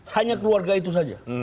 hanya keluarga itu saja